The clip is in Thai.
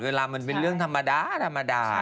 มันเป็นเรื่องธรรมดาธรรมดา